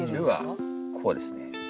「ル」はこうですね。